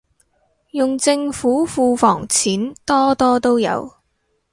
用政府庫房錢，多多都有